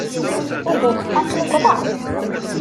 Ihi, aql-i wwḍeɣ-d.